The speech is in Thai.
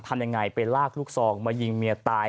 ทำยังไงไปลากลูกซองมายิงเมียตาย